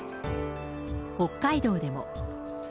北海道でも。